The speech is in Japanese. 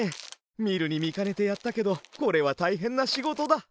みるにみかねてやったけどこれはたいへんなしごとだ。